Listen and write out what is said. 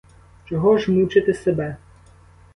Чого ж мучити себе?